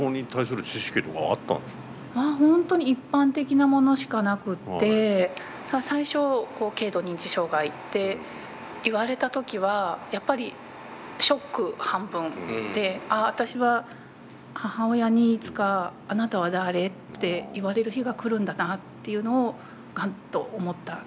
本当に一般的なものしかなくて最初「軽度認知障害」って言われた時はやっぱりショック半分で私は母親にいつか「あなたは誰？」って言われる日が来るんだなっていうのをがんっと思った。